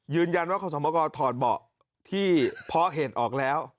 ยืนยันว่าขอสมกรถอดเบาะที่เพาะเห็ดออกแล้ว